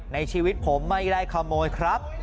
ในชีวิตผมไม่ได้ขโมยครับ